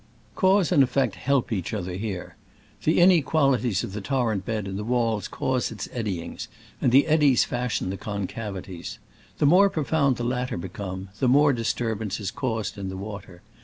Cause and effect help each other here. The inequalities of the tor rent bed and walls cause its eddyings, and the ^J^KK' eddies fashion the con '^^^^ cavities. The more pro found the latter become, the more disturbance is caused in the water.